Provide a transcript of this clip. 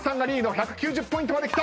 １９０ポイントまできた！